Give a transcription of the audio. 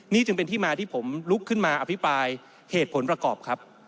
นี่จึงเป็นที่มาที่ผมลุกขึ้นมาอภิปรายเหตุผลประกอบครับ